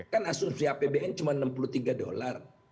kan asumsi apbn cuma enam puluh tiga dolar